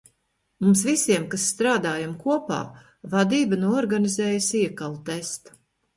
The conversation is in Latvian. Mums visiem, kas strādājam kopā, vadība noorganizēja siekalu testu.